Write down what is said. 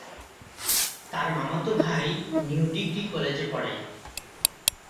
তার মামাতো ভাই নিউ ডিগ্রি কলেজে পড়ে।